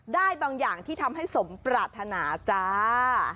ได้บางอย่างที่ทำให้สมปรารถนาจ้า